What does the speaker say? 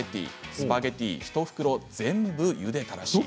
スパゲッティ１袋全部ゆでたらしい。